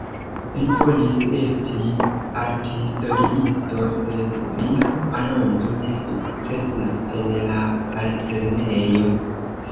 Li volis esti arthistoriisto, sed lia anonco ne sukcesis en la altlernejo.